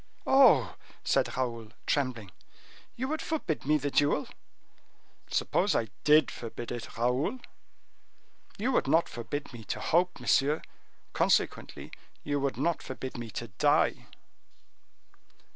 "Oh!" said Raoul, trembling, "you would forbid me the duel?" "Suppose I did forbid it, Raoul?" "You would not forbid me to hope, monsieur; consequently you would not forbid me to die."